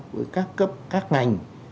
với các cấp các ngành